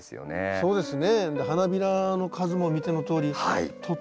そうですね。